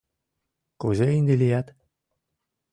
Кузе ынде лият?